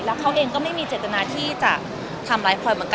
แล้วเขาเองก็ไม่มีเจตนาที่จะทำร้ายพลอยเหมือนกัน